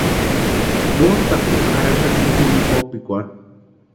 Motʼakukwa jarhaxati jini kopikwarhu.